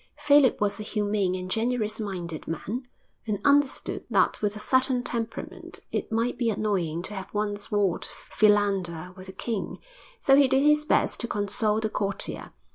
Philip was a humane and generous minded man, and understood that with a certain temperament it might be annoying to have one's ward philander with a king, so he did his best to console the courtier.